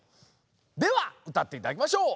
ではうたっていただきましょう！